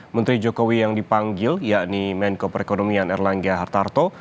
menteri jokowi yang dipanggil yakni menko perekonomian erlangga hartarto